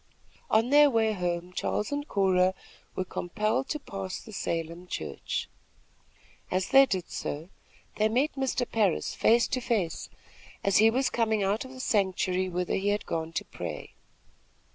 On their way home, Charles and Cora were compelled to pass the Salem church. As they did so, they met Mr. Parris face to face, as he was coming out of the sanctuary whither he had gone to pray.